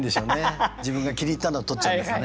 自分が気に入ったのを取っちゃうんですよね。